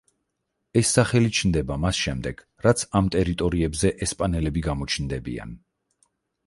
ეს სახელი ჩნდება მას შემდეგ, რაც ამ ტერიტორიებზე ესპანელები გამოჩნდებიან.